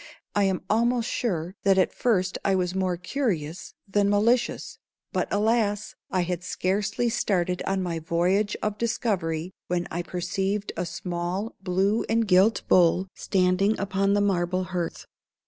I am almost sure that at first I was more curious than malicious, but, alas! I had scarcely started on my voyage of discovery when I perceived a small blue and gilt bowl standing upon the marble hearth.